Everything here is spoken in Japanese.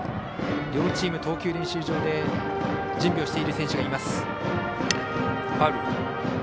両チーム、投球練習場で準備をしてる選手がいます。